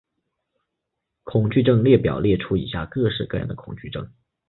恐惧症列表列出以下各式各样的恐惧症。